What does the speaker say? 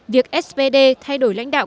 việc spd thay đổi lãnh đạo